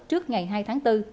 trước ngày hai tháng bốn